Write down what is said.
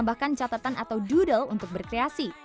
bahkan catatan atau doodle untuk berkreasi